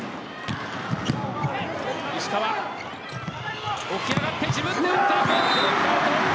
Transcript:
石川、起き上がって自分で打っていくブロックアウト。